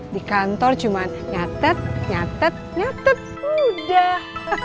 di kantor cuma nyatet nyatet nyatet udah